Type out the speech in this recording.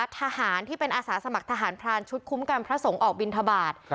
ทหารที่เป็นอาสาสมัครทหารพรานชุดคุ้มกันพระสงฆ์ออกบินทบาท